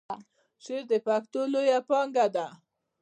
شعر د پښتو لویه پانګه ده.